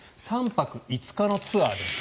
３泊５日のツアーです。